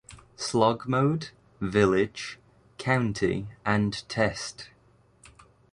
Slog mode, village, county and test.